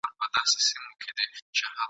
ږغ د خپل بلال مي پورته له منبره له منار کې ..